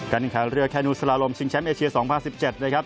ขาเรือแคนูสลาลมชิงแชมป์เอเชีย๒๐๑๗นะครับ